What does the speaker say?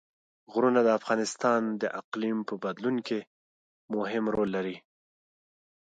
غرونه د افغانستان د اقلیم په بدلون کې مهم رول لري.